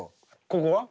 ここは？